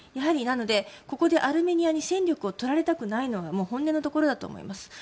なので、ここでアルメニアに戦力を取られたくないのが本音のところだと思います。